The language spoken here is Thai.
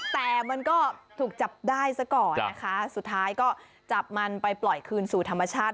แต่มันก็ถูกจับได้ซะก่อนนะคะสุดท้ายก็จับมันไปปล่อยคืนสู่ธรรมชาติ